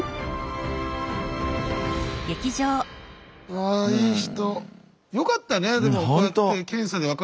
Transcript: ああいい人。